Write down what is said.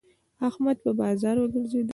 احمد په بازار وګرځېد.